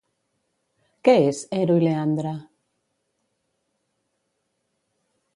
Què és Hero i Leandre?